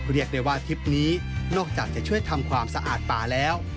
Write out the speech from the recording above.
เรียกได้ว่าทริปนี้นอกจากจะช่วยทำความสะอาดป่าแล้ว